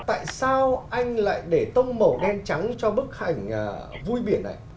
tại sao anh lại để tông màu đen trắng cho bức ảnh vui biển này